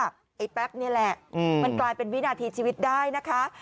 ไอ้แป๊บนี่แหละมันกลายเป็นวินาทีชีวิตได้นะคะ